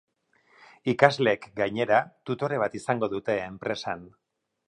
Ikasleek, gainera, tutore bat izango dute enpresan.